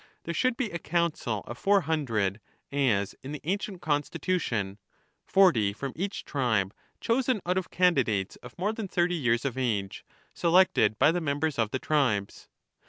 There should be a Council of Four Hundred, as in the ancient constitution, 1 forty from each tribe, chosen out of candidates of more than thirty years of age, selected by the members of the tribes.